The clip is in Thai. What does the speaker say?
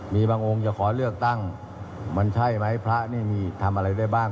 มีบางองค์จะขอเลือกตั้งมันใช่ไหมพระนี่มีทำอะไรได้บ้าง